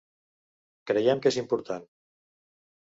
Creiem que és important.